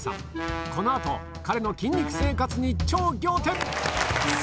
この後彼の筋肉生活に超仰天！